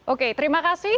oke terima kasih